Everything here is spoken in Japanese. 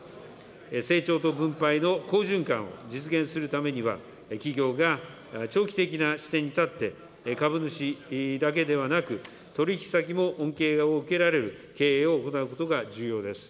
成長と分配の好循環を実現するためには、企業が長期的な視点に立って、株主だけではなく、取り引き先も恩恵を受けられる経営を行うことが重要です。